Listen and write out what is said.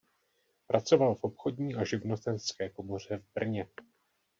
Pracoval v obchodní a živnostenské komoře v Brně.